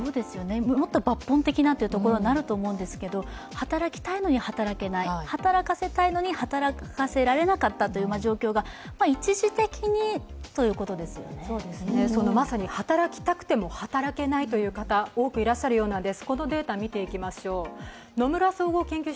もっと抜本的なというところになると思うんですが、働きたいのに働けない、働かせたいのに働かせられなかったという状況がまさに働きたくても働けないという方、多くいらっしゃるようなんです。